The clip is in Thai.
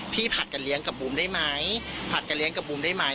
ผัดกันเลี้ยงกับบูมได้ไหมผัดกันเลี้ยกับบูมได้ไหม